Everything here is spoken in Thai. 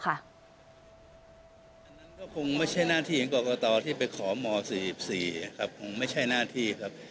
อันนั้นก็คงไม่ใช่หน้าที่ของกรกตที่ไปขอม๔๔ครับคงไม่ใช่หน้าที่ครับ